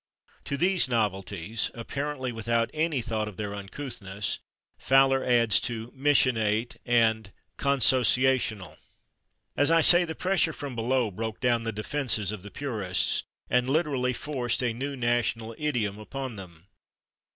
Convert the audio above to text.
[Pg075] To these novelties, apparently without any thought of their uncouthness, Fowler adds to /missionate/ and /consociational/. As I say, the pressure from below broke down the defenses of the purists, and literally forced a new national idiom upon them.